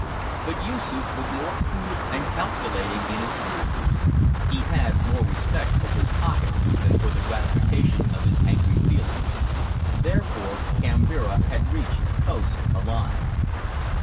But Yoosoof was more cool and calculating in his cruelty; he had more respect for his pocket than for the gratification of his angry feelings. Therefore Kambira had reached the coast alive.